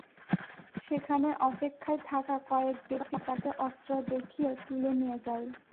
সেখানে অপেক্ষায় থাকা কয়েক ব্যক্তি তাঁকে অস্ত্র দেখিয়ে তুলে নিয়ে যায়।